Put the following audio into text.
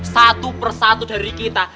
satu persatu dari kita